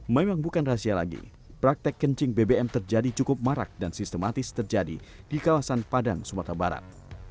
memang bukan rahasia lagi praktek kencing bbm terjadi cukup marak dan sistematis terjadi di kawasan padang sumatera barat